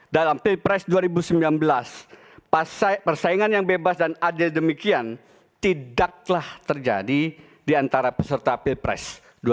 dalam pilpres dua ribu sembilan belas persaingan yang bebas dan adil demikian tidaklah terjadi di antara peserta pilpres dua ribu sembilan belas